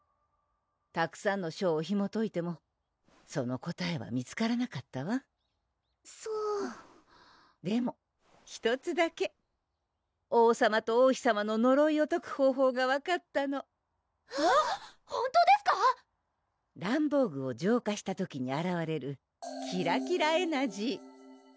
たくさんの書をひもといてもその答えは見つからなかったわそうでも１つだけ王さまと王妃さまののろいをとく方法が分かったのほんとですか⁉ランボーグを浄化した時にあらわれるキラキラエナジー